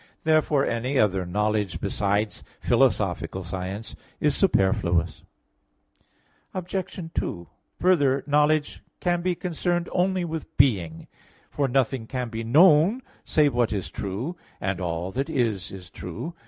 Therefore any other knowledge besides philosophical science is superfluous. Obj. 2: Further, knowledge can be concerned only with being, for nothing can be known, save what is true; and all that is, is true.